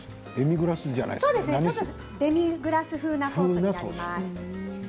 デミグラス風のソースになります。